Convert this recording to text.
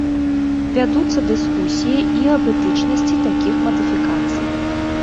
Вядуцца дыскусіі і аб этычнасці такіх мадыфікацый.